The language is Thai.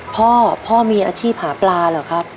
พ่อพ่อมีอาชีพหาปลาเหรอครับ